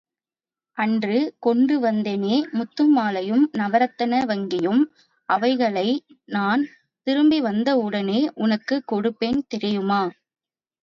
அன்று கொண்டு வந்தேனே முத்துமாலையும் நவரத்ன வங்கியும் அவைகளை நான் திரும்பி வந்த வுடனே உனக்குக் கொடுப்பேன், தெரியுமா?